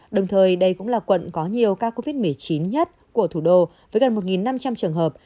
đồng thời đây cũng là quận có nhiều ca covid một mươi chín nhất của thủ đô với gần một năm trăm linh trường hợp